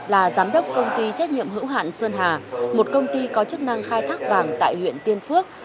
là giám đốc công ty trách nhiệm hữu hạn sơn hà một công ty có chức năng khai thác vàng tại huyện tiên phước